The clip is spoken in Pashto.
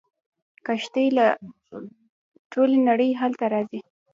کښتۍ له ټولې نړۍ هلته راځي.